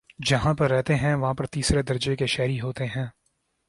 جہاں پر رہتے ہیں وہاں پر تیسرے درجے کے شہری ہوتے ہیں